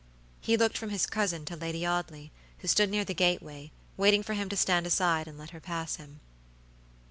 He looked from his cousin to Lady Audley, who stood near the gateway, waiting for him to stand aside and let her pass him.